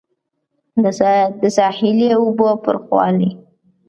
د ساحلي اوبو پراخوالی